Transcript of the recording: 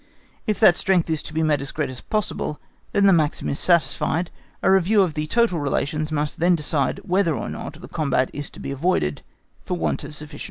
If that strength is made as great as possible, then the maxim is satisfied; a review of the total relations must then decide whether or not the combat is to be avoided for want of sufficient force.